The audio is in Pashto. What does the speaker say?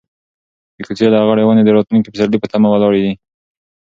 د کوڅې لغړې ونې د راتلونکي پسرلي په تمه ولاړې دي.